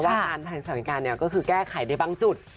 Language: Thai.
ว่าการทางสรรคัยการเนี่ยก็คือแก้ไขในบางจุด